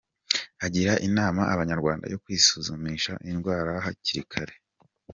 Agira inama Abanyarwanda yo kwisuzumisha indwara hakiri kare.